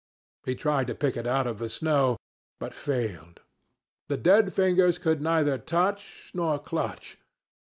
He tried to pick it out of the snow, but failed. The dead fingers could neither touch nor clutch.